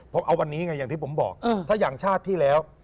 ผมเอาวันนี้ไงอย่างที่ผมบอกถ้าอย่างชาติที่แล้ว